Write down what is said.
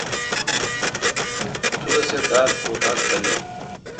تو رسے ڈاگ پواٹا تلون۔